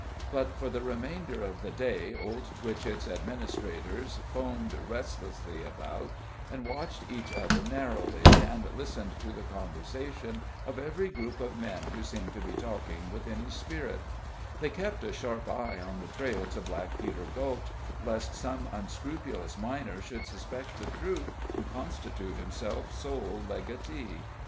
But for the remainder of the day Old Twitchett's administrators foamed restlessly about, and watched each other narrowly, and listened to the conversation of every group of men who seemed to be talking with any spirit; they kept a sharp eye on the trail to Black Peter Gulch, lest some unscrupulous miner should suspect the truth and constitute himself sole legatee.